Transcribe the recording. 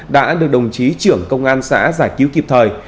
đã được đồng chí trưởng công an xã giải cứu kịp thời